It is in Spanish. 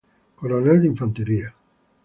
Coronel de Infantería.